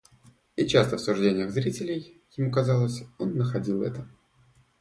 И часто в суждениях зрителей, ему казалось, он находил это.